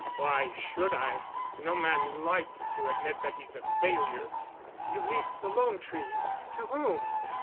"Why should I? No man likes to admit that he's a failure." "You've leased the 'Lone Tree'? To whom?"